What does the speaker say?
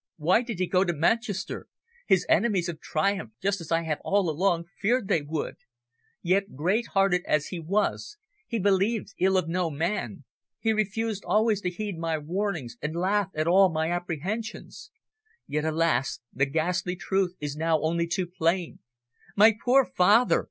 "Why did he go to Manchester? His enemies have triumphed, just as I have all along feared they would. Yet, great hearted as he was, he believed ill of no man. He refused always to heed my warnings, and laughed at all my apprehensions. Yet, alas! the ghastly truth is now only too plain. My poor father!"